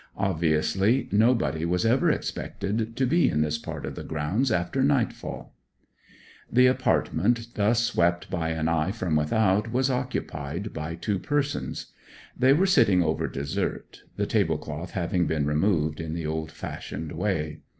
Obviously nobody was ever expected to be in this part of the grounds after nightfall. The apartment thus swept by an eye from without was occupied by two persons; they were sitting over dessert, the tablecloth having been removed in the old fashioned way.